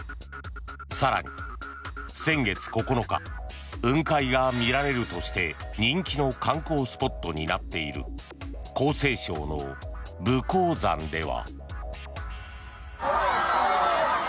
更に、先月９日雲海が見られるとして人気の観光スポットになっている江西省の武功山では。